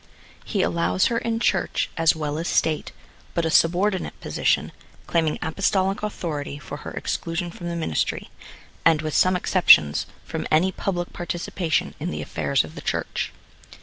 He allows her in Church, as well as State, but a subordinate position, claiming Apostolic authority for her exclusion from the ministry, and, with some exceptions, from any public participation in the affairs of the Church.